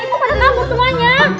itu pada kabur semuanya